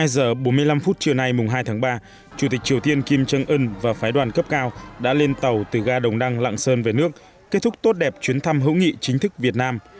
một mươi hai giờ bốn mươi năm phút chiều nay mùng hai tháng ba chủ tịch triều tiên kim trân ưn và phái đoàn cấp cao đã lên tàu từ ga đồng đăng lặng sơn về nước kết thúc tốt đẹp chuyến thăm hỗn nghị chính thức việt nam